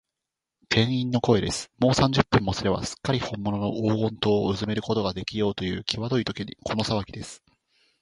店員の声です。もう三十分もすれば、すっかりほんものの黄金塔をうずめることができようという、きわどいときに、このさわぎです。